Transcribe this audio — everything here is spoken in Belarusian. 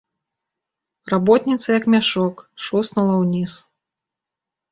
Работніца, як мяшок, шуснула ўніз.